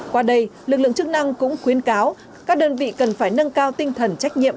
qua đây lực lượng chức năng cũng khuyến cáo các đơn vị cần phải nâng cao tinh thần trách nhiệm